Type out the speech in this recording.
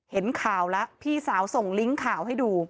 เห็นข่าวแล้วพี่สาวส่งลิงก์ข่าวให้ดู